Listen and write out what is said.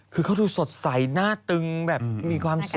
คือเขาดูสดใสหน้าตึงแบบมีความสุข